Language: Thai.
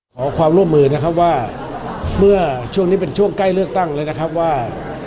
ขอความร่วมมือนะครับว่าเมื่อช่วงนี้เป็นช่วงใกล้เลือกตั้งแล้วนะครับว่า